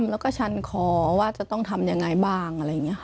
แล้วก็ชันคอว่าจะต้องทำยังไงบ้าง